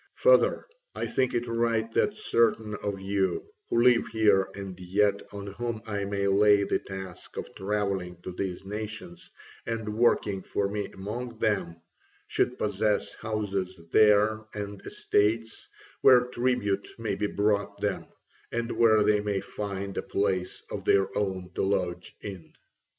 Further, I think it right that certain of you who live here and yet on whom I may lay the task of travelling to these nations and working for me among them, should possess houses there and estates, where tribute may be brought them, and where they may find a place of their own to lodge in."